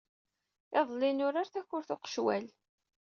Iḍelli, nurar takurt n uqecwal.